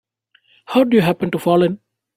How'd you happen to fall in?